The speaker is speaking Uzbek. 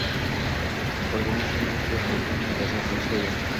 Organizmimiz bir xil qonuniyat asosida ishlaydi.